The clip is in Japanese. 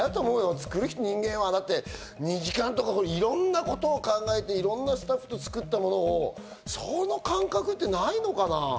作る人間は２時間とか、いろんなことを考えて、いろんなスタッフと作ったものをその感覚ってないのかな？